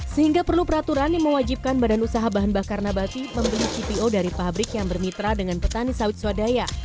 sehingga perlu peraturan yang mewajibkan badan usaha bahan bakar nabati membeli cpo dari pabrik yang bermitra dengan petani sawit swadaya